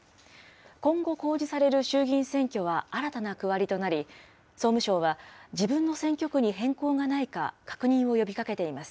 今後、公示される衆議院選挙は新たな区割りとなり、総務省は自分の選挙区に変更がないか、確認を呼びかけています。